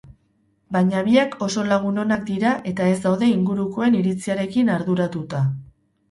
Baina biak oso lagun onak dira eta ez daude ingurukoen iritziarekin arduratuta.